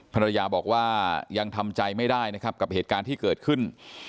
ภรรยาบอกว่ายังทำใจไม่ได้นะครับกับเหตุการณ์ที่เกิดขึ้น